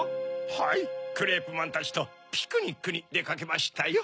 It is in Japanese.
はいクレープマンたちとピクニックにでかけましたよ。